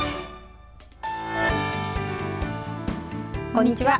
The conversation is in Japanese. こんにちは。